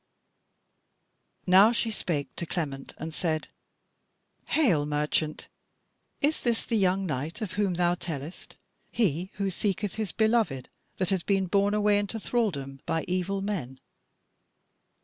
Now she spake to Clement and said: "Hail, merchant! Is this the young knight of whom thou tellest, he who seeketh his beloved that hath been borne away into thralldom by evil men?"